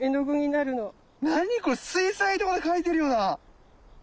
なにこれ水彩とかで描いてるような。